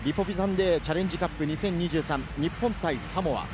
Ｄチャレンジカップ２０２３、日本対サモア。